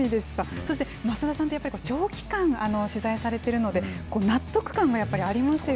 そして増田さんって、やっぱり長期間取材されているので、納得感がやっぱりありますよ